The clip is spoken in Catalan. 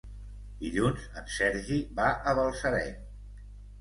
Dilluns en Sergi va a Balsareny.